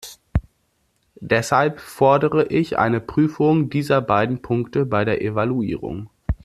Deshalb fordere ich eine Prüfung dieser beiden Punkte bei der Evaluierung.